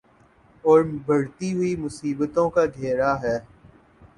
اوربڑھتی ہوئی مصیبتوں کا گھیرا ہے۔